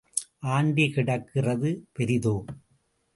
Aunty கிடக்கிறது பெரிதோ?